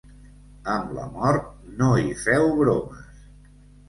Amb la mort no hi feu bromes.